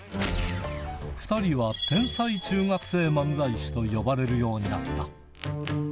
２人は天才中学生漫才師と呼ばれるようになった。